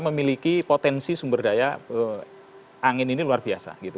memiliki potensi sumber daya angin ini luar biasa